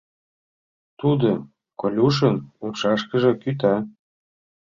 — Тудо Колюшын умшашкыже кӱта...